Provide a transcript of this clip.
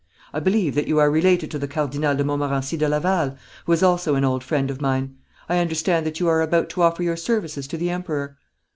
I believe that you are related to the Cardinal de Montmorency de Laval, who is also an old friend of mine. I understand that you are about to offer your services to the Emperor?'